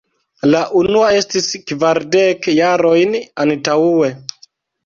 La unua estis kvardek jarojn antaŭe!